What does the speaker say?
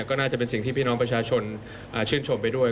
ก็น่าจะเป็นสิ่งที่พี่น้องประชาชนชื่นชมไปด้วย